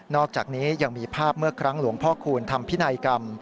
อกจากนี้ยังมีภาพเมื่อครั้งหลวงพ่อคูณทำพินัยกรรม